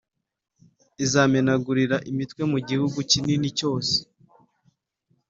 Izamenagurira imitwe mu gihugu kinini cyose.